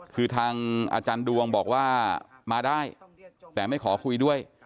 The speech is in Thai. คือทางอาจารย์ดวงบอกว่ามาได้แต่ไม่ขอคุยด้วย